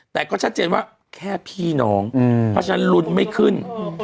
แต่ก็ชัดเจนว่าแค่พี่น้องเพราะฉะนั้นลุ้นไม่ขึ้น